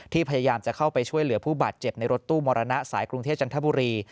พยายามจะเข้าไปช่วยเหลือผู้บาดเจ็บในรถตู้มรณะสายกรุงเทพจันทบุรี